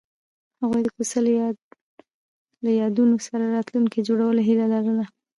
هغوی د کوڅه له یادونو سره راتلونکی جوړولو هیله لرله.